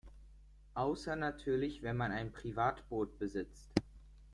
Außer natürlich wenn man ein Privatboot besitzt.